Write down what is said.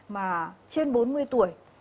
mà trên bốn mươi tuổi